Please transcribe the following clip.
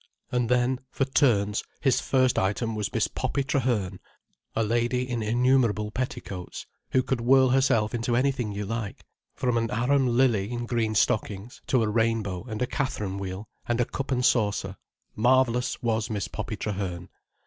And then, for Turns, his first item was Miss Poppy Traherne, a lady in innumerable petticoats, who could whirl herself into anything you like, from an arum lily in green stockings to a rainbow and a Catherine wheel and a cup and saucer: marvellous, was Miss Poppy Traherne.